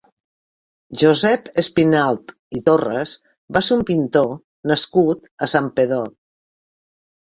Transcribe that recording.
Josep Espinalt i Torres va ser un pintor nascut a Santpedor.